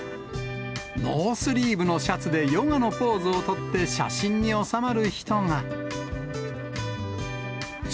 ノースリーブのシャツでヨガのポーズを取って写真に収まる人が。